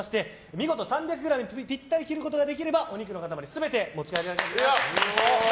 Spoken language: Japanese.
見事３００ｇぴったり切ることができればお肉の塊全てお持ち帰りいただけま。